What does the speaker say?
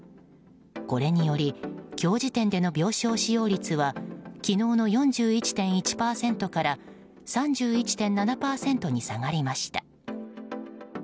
これにより今日時点での病床使用率は昨日の４１．１％から３１．７％に下がりました。